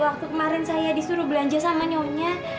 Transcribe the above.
waktu kemarin saya disuruh belanja sama nyonya